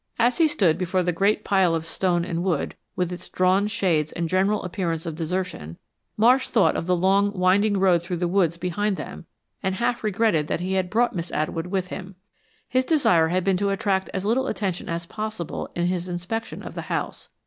As he stood before the great pile of stone and wood, with its drawn shades and general appearance of desertion, Marsh thought of the long, winding road through the woods behind them and half regretted that he had brought Miss Atwood with him. His desire had been to attract as little attention as possible in his inspection of the house.